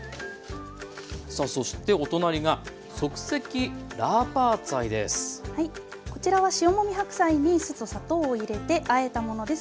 さあそしてお隣がこちらは塩もみ白菜に酢と砂糖を入れてあえたものです。